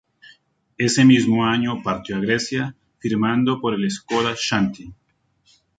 Ese mismo año partió a Grecia, firmando por el Skoda Xanthi.